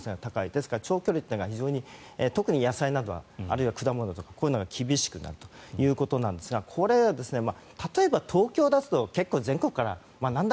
ですから、特に長距離というのは非常に特に野菜など、果物なのはこういうのが厳しくなるということですが例えば東京だと結構、全国からなんだ